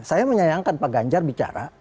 saya menyayangkan pak ganjar bicara